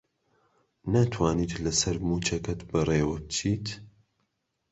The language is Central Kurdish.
ناتوانیت لەسەر مووچەکەت بەڕێوە بچیت؟